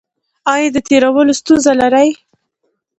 ایا د تیرولو ستونزه لرئ؟